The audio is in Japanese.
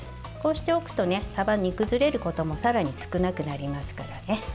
こうしておくとさば、煮崩れることもさらに少なくなりますからね。